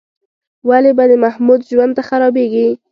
ولې به د محمود ژوند نه خرابېږي؟